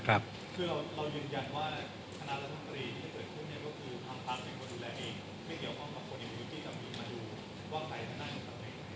คือเรายืนยันว่าคณะรัฐธรรมกรีที่เกิดขึ้นก็คือทำภักดิ์เป็นคนดูแลเองไม่เกี่ยวข้องกับคนอื่นที่จะมีมาดูว่าใครจะตั้งเอง